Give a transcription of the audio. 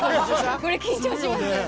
これ、緊張します。